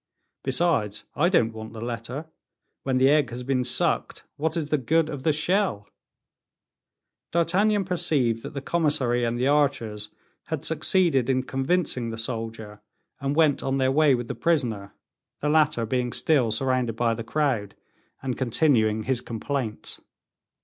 Besides, I don't want the letter; when the egg has been sucked, what is the good of the shell?" D'Artagnan perceived that the commissary and the archers had succeeded in convincing the soldier, and went on their way with the prisoner, the latter being still surrounded by the crowd, and continuing his complaints.